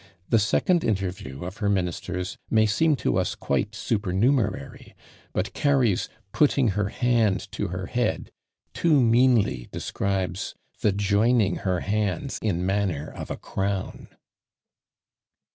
The second interview of her ministers may seem to us quite supernumerary; but Cary's "putting her hand to her head," too meanly describes the "joining her hands in manner of a crown."